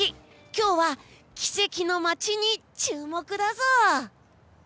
今日は奇跡の町に注目だぞ！